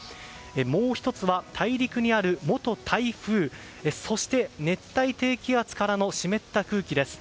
もう１つは大陸にある元台風そして熱帯低気圧からの湿った空気です。